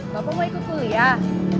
bapak mau ikut kuliah